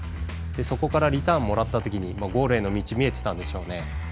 そこからリターンをもらったときにゴールへの道見えていたんでしょうね。